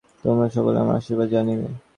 তোমরা সকলে আমার আশীর্বাদ জানিবে।